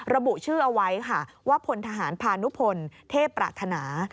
ระบุชื่อเอาไว้ค่ะว่าพลทหารพานุพลเทพปรารถนา